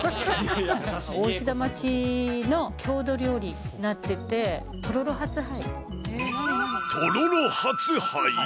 大石田町の郷土料理になってて、とろろ八杯？